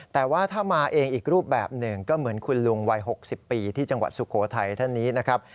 แต่ว่าถ้ามาเองอีกรูปแบบหนึ่งก็เหมือนคุณลุงวัย๖๐ปีที่จังหวัดสุโขทัยท่านนี้นะครับ